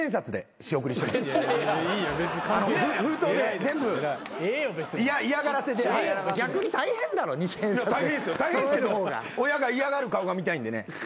親が嫌がる顔が見たいんでね。